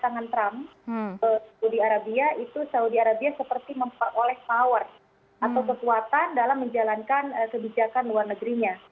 pasangan trump saudi arabia itu saudi arabia seperti memperoleh power atau kekuatan dalam menjalankan kebijakan luar negerinya